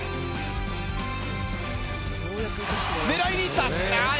狙いに行った。